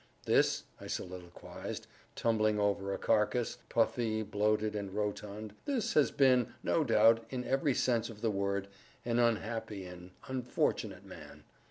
"This," I soliloquized, tumbling over a carcass, puffy, bloated, and rotund—"this has been, no doubt, in every sense of the word, an unhappy—an unfortunate man.